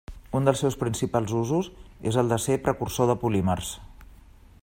Un dels seus principals usos és el de ser precursor de polímers.